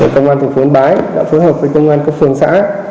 công an tỉnh yên bái đã phối hợp với công an các phường xã